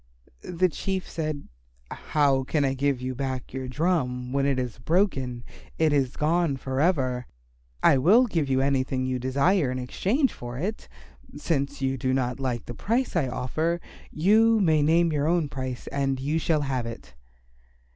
The Chief said, "How can I give you back your drum when it is broken? It is gone for ever. I will give you anything you desire in exchange for it. Since you do not like the price I offer, you may name your own price and you shall have it."